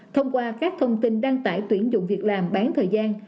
thông qua các thông tin đăng tải tuyển dụng việc làm bán thời gian